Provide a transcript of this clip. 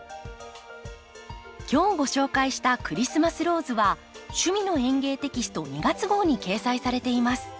今日ご紹介した「クリスマスローズ」は「趣味の園芸」テキスト２月号に掲載されています。